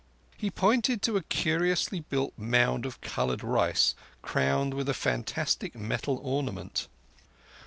He pointed to a curiously built mound of coloured rice crowned with a fantastic metal ornament.